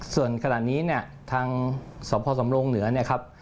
ส่วนขณะนี้เนี่ยทางสพสำโรงเหนือนะครับ